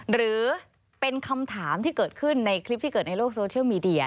หรือเป็นคำถามที่เกิดขึ้นในคลิปที่เกิดในโลกโซเชียลมีเดีย